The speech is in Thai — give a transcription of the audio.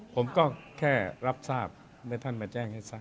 ผมก็แค่รับทราบเมื่อท่านมาแจ้งให้ทราบ